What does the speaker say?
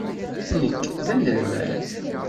Nekk d anelmad.